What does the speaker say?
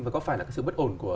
và có phải là sự bất ổn của